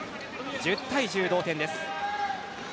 １０対１０の同点です。